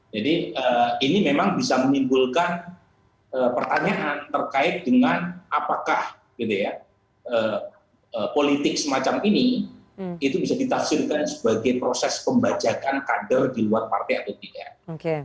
jadi ini memang bisa menimbulkan pertanyaan terkait dengan apakah politik semacam ini itu bisa ditafsirkan sebagai proses pembajakan kader di luar partai atau tidak